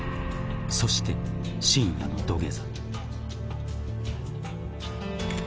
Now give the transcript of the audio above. ［そして深夜の土下座］